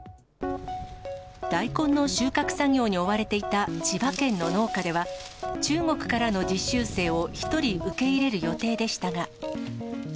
大根の収穫作業に追われていた千葉県の農家では、中国からの実習生を１人受け入れる予定でしたが。